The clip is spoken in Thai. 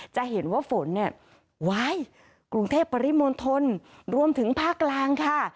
จะเห็นว่าฝนเนี่ยว้ายกรุงเทพปริมณฑลรวมถึงภาคกลางค่ะ